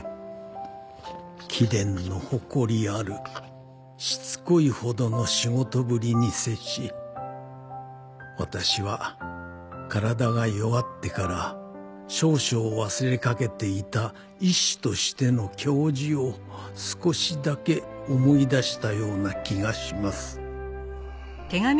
「貴殿の誇りあるしつこいほどの仕事振りに接し私は体が弱ってから少々忘れかけていた医師としての矜持を少しだけ思い出した様な気がします」